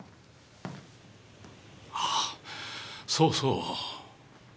あーそうそう。